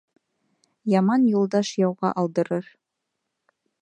Яман юлдаш яуға алдырыр.